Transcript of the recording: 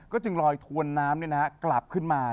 จึงลอยถวนน้ำกลับขึ้นมา